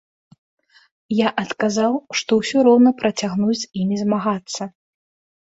Я адказаў, што ўсё роўна працягну з імі змагацца.